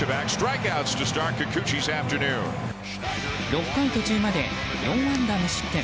６回途中まで４安打無失点。